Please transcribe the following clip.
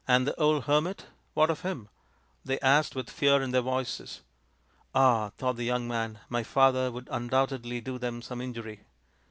" And the old hermit what of him ?" they asked with fear in their voices. " Ah," thought the young man, " my father would undoubtedly do them some injury."